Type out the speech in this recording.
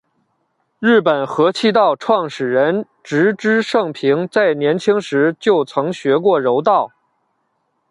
日本合气道创始人植芝盛平在年轻时就曾学过柔道。